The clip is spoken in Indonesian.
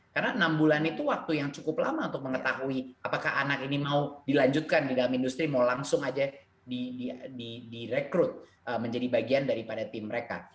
karena enam bulan itu waktu yang cukup lama untuk mengetahui apakah anak ini mau dilanjutkan di dalam industri mau langsung aja direkrut menjadi bagian daripada tim mereka